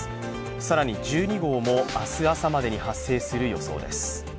更に１２号も明日朝までに発生する予想です。